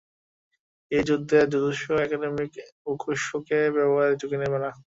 এই যুদ্ধে, jujutsu academy ওকোৎসুকে ব্যবহারের ঝুঁকি নেবে না।